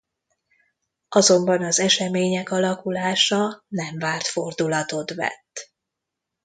Azonban az események alakulása nem várt fordulatot vett.